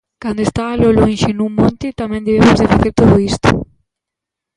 Cando está aló lonxe nun monte tamén debemos de facer todo isto.